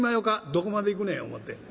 「どこまでいくねん」思うて。